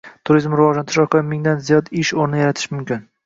Turizmni rivojlantirish orqali mingdan ziyod ish o‘rni yaratish mumkin